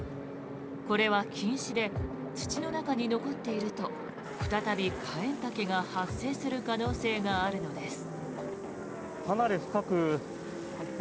これは菌糸で土の中に残っていると再びカエンタケが発生する可能性があるのです。